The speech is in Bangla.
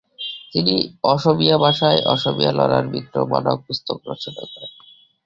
তিনি অসমীয়া ভাষায় অসমীয়া লরার মিত্র মানক পুস্তক রচনা করে।